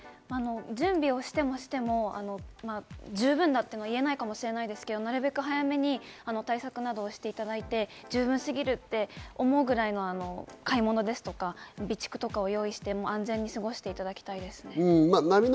準備をしてもしても十分だというのは言えないかもしれないですけど、なるべく早めに対策などをしていただいて、十分すぎるって思うぐらいの買い物ですとか、備蓄とかを用意して、安全に過ごしていただきたいですね。